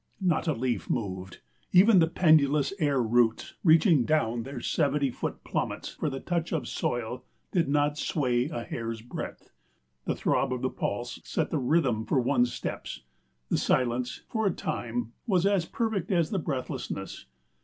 Not a leaf moved; even the pendulous air roots reaching down their seventy foot plummets for the touch of soil did not sway a hair's breadth. The throb of the pulse set the rhythm for one's steps. The silence, for a time, was as perfect as the breathlessness.